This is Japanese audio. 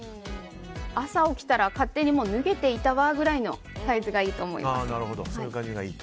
朝起きたら勝手に脱げていたわぐらいのサイズがいいと思います。